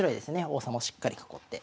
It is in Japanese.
王様をしっかり囲って。